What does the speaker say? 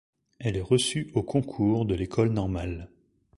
Elle est reçue au concours de l’École normale.